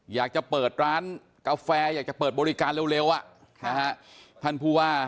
อยากจะเปิดร้านกาแฟอยากจะเปิดบริการเร็วอ่ะ